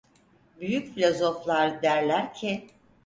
Büyük filozoflar derler ki: